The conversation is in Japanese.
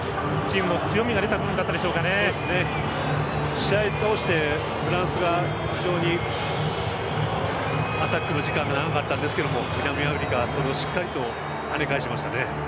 試合を通してフランスが非常にアタックの時間が長かったんですけども南アフリカはそれをしっかりと跳ね返しましたね。